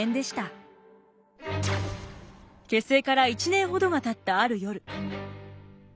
結成から１年ほどがたったある夜。